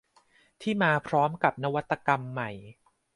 ที่มาพร้อมกับนวัตกรรมใหม่